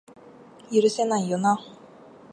許せないよな